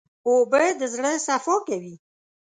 اوبه د زړه صفا کوي.